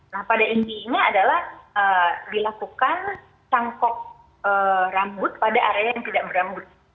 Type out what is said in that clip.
nah pada intinya adalah dilakukan cangkok rambut pada area yang tidak berambut